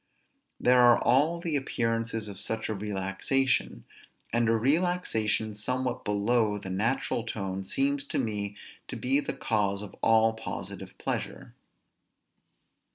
There are all the appearances of such a relaxation; and a relaxation somewhat below the natural tone seems to me to be the cause of all positive pleasure.